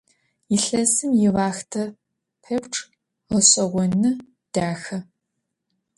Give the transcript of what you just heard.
Yilhesım yiuaxhte pepçç ğeş'eğonı, daxe.